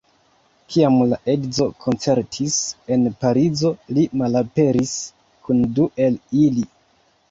Kiam la edzo koncertis en Parizo, li malaperis kun du el ili.